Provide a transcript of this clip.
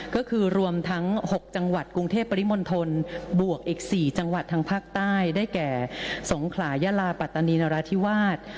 ก็คือรวมทั้ง๖จังหวัดกรุงเทพปริมณฑลบวกอีก๔จังหวัดทางภาคใต้ได้แก่สงขลายลาปัตตานีนราธิวาส